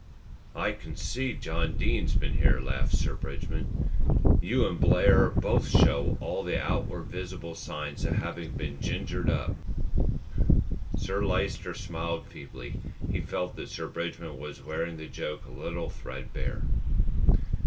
"I can see John Dene's been here," laughed Sir Bridgman. "You and Blair both show all the outward visible signs of having been 'gingered up.'" Sir Lyster smiled feebly. He felt that Sir Bridgman was wearing the joke a little threadbare.